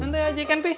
santai aja ikan pi